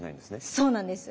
はいそうなんです。